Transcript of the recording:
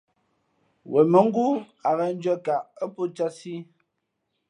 ̈wen mα̌ ngóó a ghěn ndʉ̄αkaʼ ά pō cātsī í .